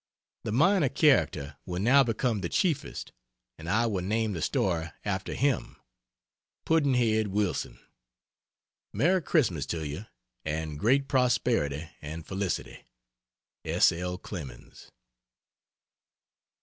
The minor character will now become the chiefest, and I will name the story after him "Puddn'head Wilson." Merry Xmas to you, and great prosperity and felicity! S. L. CLEMENS.